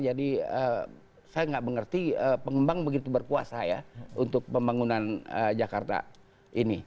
jadi saya tidak mengerti pengembang begitu berpuasa ya untuk pembangunan jakarta ini